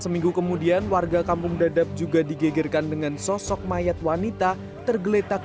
seminggu kemudian warga kampung dadap juga digegerkan dengan sosok mayat wanita tergeletak